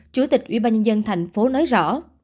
chủ tịch ubnd thành phố nói rõ